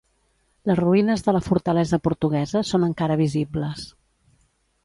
Les ruïnes de la fortalesa portuguesa són encara visibles.